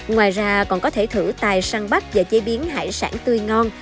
ngoài ra còn có thể thử tài săn bắp và chế biến hải sản tươi ngon